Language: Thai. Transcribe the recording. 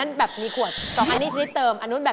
อันนี้ถูกที่สุด